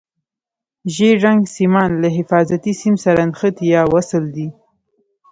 ژیړ رنګ سیمان له حفاظتي سیم سره نښتي یا وصل دي.